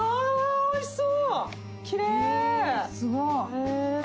おいしそう。